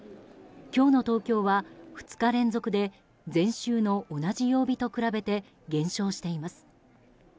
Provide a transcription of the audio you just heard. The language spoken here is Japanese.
今日の東京は、２日連続で前週の同じ曜日と比べて減少しています。